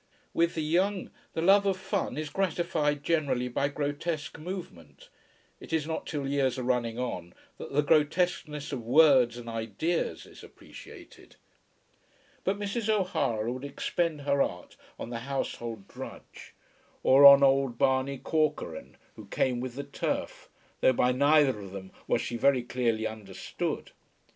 With the young the love of fun is gratified generally by grotesque movement. It is not till years are running on that the grotesqueness of words and ideas is appreciated. But Mrs. O'Hara would expend her art on the household drudge, or on old Barney Corcoran who came with the turf, though by neither of them was she very clearly understood.